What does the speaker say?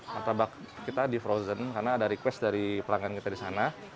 martabak kita di frozen karena ada request dari pelanggan kita di sana